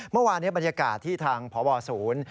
เมื่อวานนี้บรรยากาศที่ทางพบศูนย์